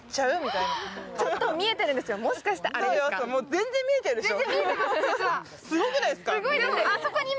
全然見えてるでしょう。